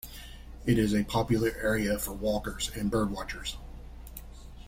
It is a popular area for walkers and bird-watchers.